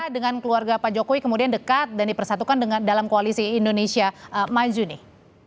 dengan keluarga pak jokowi kemudian dekat dan dipersatukan dalam koalisi indonesia maju nih